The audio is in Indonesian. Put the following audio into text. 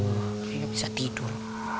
aku gak bisa tidur